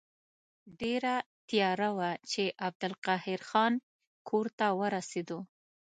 ډېره تیاره وه چې عبدالقاهر جان کور ته ورسېدو.